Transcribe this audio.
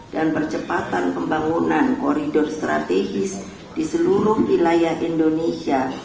percepatan pembangunan koridor strategis di seluruh wilayah indonesia